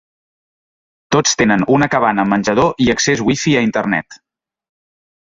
Tots tenen una cabana amb menjador i accés Wi-Fi a internet.